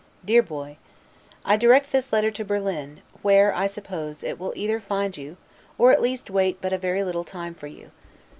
DEAR BOY: I direct this letter to Berlin, where, I suppose, it will either find you, or at least wait but a very little time for you.